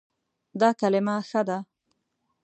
دا کلمه ښه ده